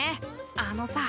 あのさ